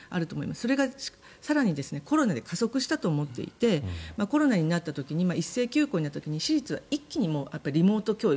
それが更にコロナで加速したと思っていてコロナになった時に一斉休校になった時に私立は一気にリモート教育